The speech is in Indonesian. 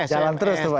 jalan terus tuh pak ya